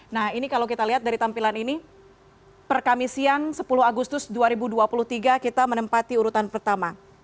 nah ini kalau kita lihat dari tampilan ini per kamisian sepuluh agustus dua ribu dua puluh tiga kita menempati urutan pertama